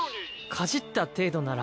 かじった程度なら。